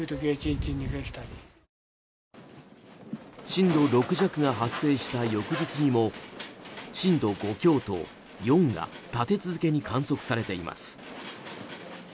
震度６弱が発生した翌日にも震度５強と４が立て続けに観測されています。